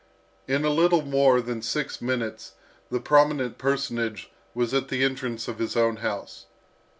In a little more than six minutes the prominent personage was at the entrance of his own house.